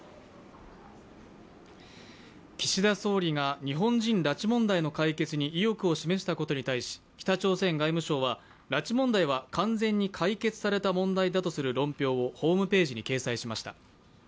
岸田総理が日本人拉致問題の解決に意欲を示したことに対し北朝鮮外務省は、拉致問題は完全に解決された問題だとする論評をホームページに掲載しました。